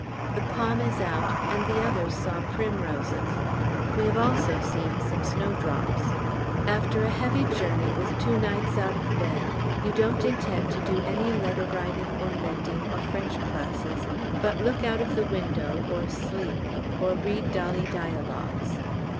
The palm is out, and the others saw primroses. We have also seen some snowdrops. After a heavy journey, with two nights out of bed, you don't intend to do any letter writing or mending or French classes, but look out of the window or sleep or read Dolly Dialogues.